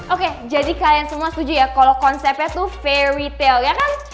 oke jadi kalian semua setuju ya kalau konsepnya tuh fair retail ya kan